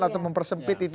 atau mempersempit itu